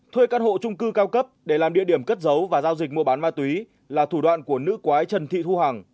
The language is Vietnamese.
thuê căn hộ trung cư cao cấp để làm địa điểm cất giấu và giao dịch mua bán ma túy là thủ đoạn của nữ quái trần thị thu hằng